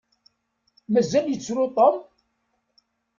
Mazal yettru Tom?